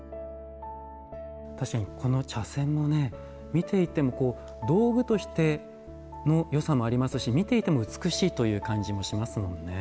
確かにこの茶筅も見ていても道具としてのよさもありますし見ていても美しいという感じもしますもんね。